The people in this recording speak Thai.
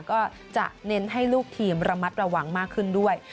ก็จะเน้นให้ลูกทีมระมัดระวังมากขึ้นด้วย